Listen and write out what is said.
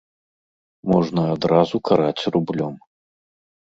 Можна адразу караць рублём.